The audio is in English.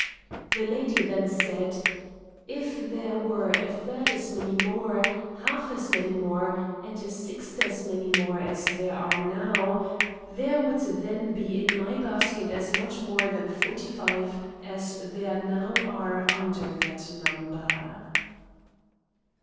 The lady then said: "If there were a third as many more, half as many more, and a sixth as many more as there are now, there would then be in my basket as much more than forty five as there now are under that number."